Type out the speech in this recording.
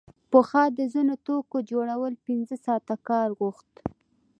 پخوا د ځینو توکو جوړول پنځه ساعته کار غوښت